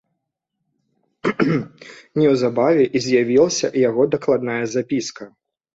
Неўзабаве і з'явілася яго дакладная запіска.